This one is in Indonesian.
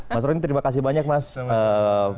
mas rony terima kasih banyak mas pagi pagi ini sudah ngomong